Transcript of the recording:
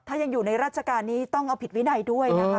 ถ้ายังอยู่ในราชการนี้ต้องเอาผิดวินัยด้วยนะคะ